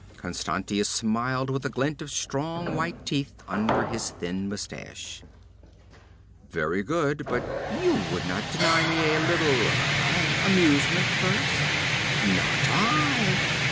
Constantius smiled with a glint of strong white teeth under his thin mustache. 'Very good; but you would not deny me a little ah amusement first?' 'Not I!